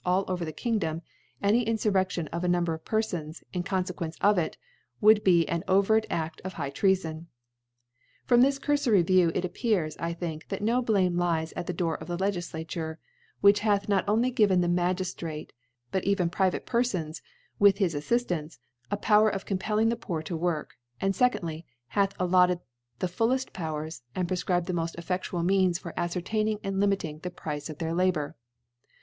alk (85; all over the Kingdom, an^ Infurfeo tion of a Number, of Perfons, in Con fequcnce of it, would ba an overt Aft of High Treafon. From this curfory View it ^ appears, I think, that no Blame lies at the Door of the Legiflature, whith hath not only given the Magiftrate, but even private Perfons^ ^vith his Afliftance, a Power of compelling the Poor to work ; and, 2dfy^ hath allotted the fulled Powers, and prefirribed the moft: ^fFeftual Means for afcertaining and limit ing the Price of their Labour.